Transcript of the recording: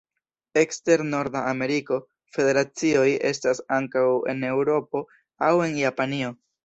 Ekster Norda Ameriko federacioj estas ankaŭ en Eŭropo aŭ en Japanio.